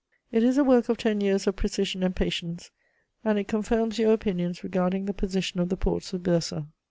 It is a work of ten years of precision and patience; and it confirms your opinions regarding the position of the ports of Byrsa.